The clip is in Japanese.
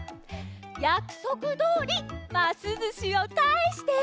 やくそくどおりますずしをかえして！